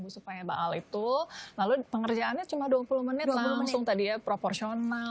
supaya baal itu lalu pengerjaannya cuma dua puluh menit langsung tadi ya proporsional